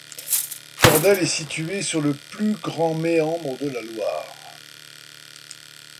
Cordelle est située sur le plus grand méandre de la Loire.